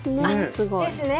すごい。ですね。